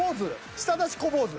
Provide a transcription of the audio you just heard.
舌出し小坊主。